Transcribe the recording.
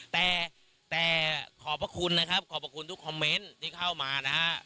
แต่แต่ขอบพระคุณนะครับขอบพระคุณทุกคอมเมนต์ที่เข้ามานะฮะ